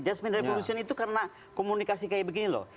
justment revolution itu karena komunikasi kayak begini loh